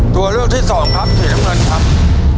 ตัวเลือกที่สองครับสีน้ำเงินครับ